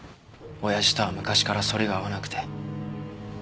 親父とは昔から反りが合わなくて。